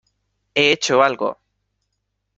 he hecho algo...